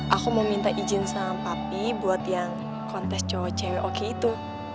aku mau minta izin sama papi buat yang kontes cewek cewek oke itu